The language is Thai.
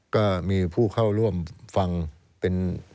ก็มีผู้เข้าร่วมฟังเป็น